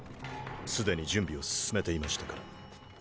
すでに準備を進めていましたから。